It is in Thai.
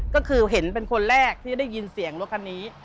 ก็คือเห็นเป็นคนแรกที่ได้ยินเสียงรถคันนี้